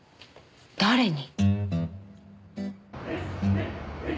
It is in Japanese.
誰に？